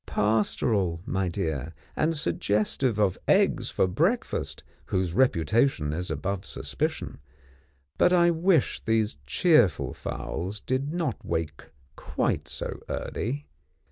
Pastoral, my dear, and suggestive of eggs for breakfast whose reputation is above suspicion; but I wish these cheerful fowls did not wake quite so early.